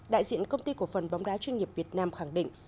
đại diện công ty cổ phần bóng đá chuyên nghiệp việt nam khẳng định